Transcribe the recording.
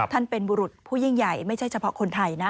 ท่านเป็นบุรุษผู้ยิ่งใหญ่ไม่ใช่เฉพาะคนไทยนะ